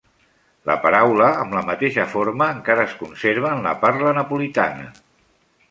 La paraula, amb la mateixa forma, encara es conserva en la parla napolitana.